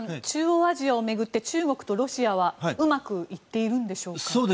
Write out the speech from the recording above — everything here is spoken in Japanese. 中央アジアを巡って中国とロシアはうまくいっているんでしょうか？